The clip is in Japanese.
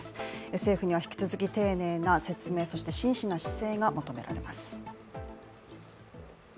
政府には引き続き、丁寧な説明そして真摯な姿勢が求められます。